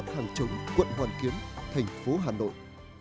bảy mươi một hàng trống quận hoàn kiến thành phố hà nội